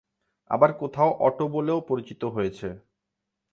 আবার কোথাও "অটো" বলেও পরিচিত হয়েছে।